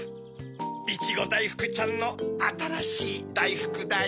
いちごだいふくちゃんのあたらしいだいふくだよ。